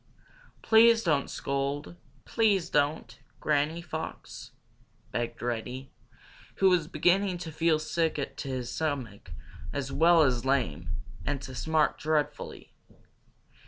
"Please don't scold, please don't, Granny Fox," begged Reddy, who was beginning to feel sick to his stomach as well as lame, and to smart dreadfully.